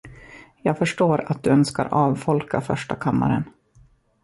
Jag förstår att du önskar avfolka första kammaren.